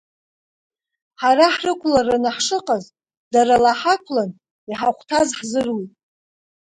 Ҳара ҳрықәлараны ҳшыҟаз дара лаҳақәлан, иҳахәҭаз ҳзыруит.